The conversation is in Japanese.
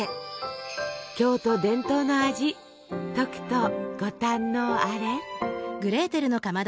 京都伝統の味とくとご堪能あれ！